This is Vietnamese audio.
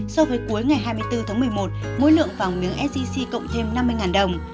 so với cuối ngày hai mươi bốn tháng một mươi một mỗi lượng vàng miếng sgc cộng thêm năm mươi đồng